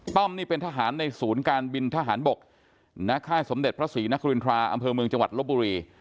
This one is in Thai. นี่เป็นทหารในศูนย์การบินทหารบกณค่ายสมเด็จพระศรีนครินทราอำเภอเมืองจังหวัดลบบุรี